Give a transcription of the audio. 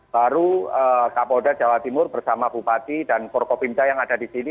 baru kapolda jawa timur bersama bupati dan forkopimda yang ada di sini